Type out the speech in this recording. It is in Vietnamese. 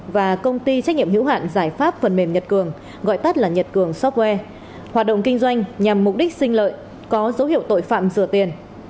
và công ty trách nhiệm hữu hạn giải pháp phần mềm nhật cường gọi tắt là nhật cường software hoạt động kinh doanh nhằm mục đích sinh lợi có dấu hiệu tội phạm rửa tiền